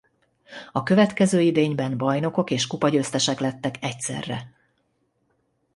A következő idényben bajnokok és kupagyőztesek lettek egyszerre.